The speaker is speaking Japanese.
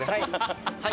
はい。